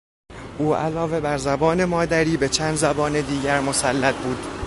او علاوه بر زبان مادری به چند زبان دیگر مسلط بود.